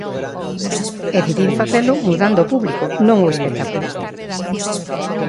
E decidín facelo mudando o público, non o espectáculo.